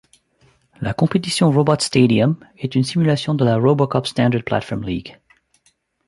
La compétition Robotstadium est une simulation de la RoboCup Standard Platform League.